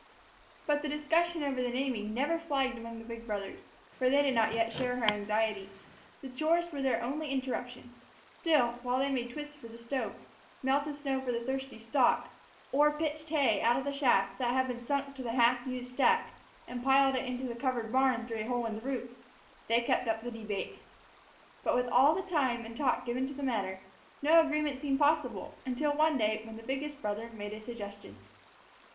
But discussion over the naming never flagged among the big brothers, for they did not yet share her anxiety. The chores were their only interruption; still, while they made twists for the stove, melted snow for the thirsty stock, or pitched hay out of the shaft that had been sunk to the half used stack and piled it into the covered barn through a hole in the roof, they kept up the debate. But with all the time and talk given the matter, no agreement seemed possible, until one day when the biggest brother made a suggestion.